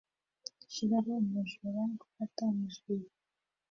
shiraho umujura gufata umujura